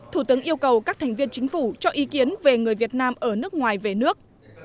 thủ tướng yêu cầu các thành viên chính phủ cho ý kiến về người việt nam ở nước ngoài về nước